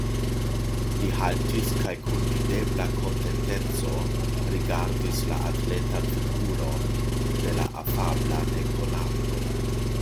Li haltis kaj kun videbla kontenteco rigardis la atletan figuron de la afabla nekonato.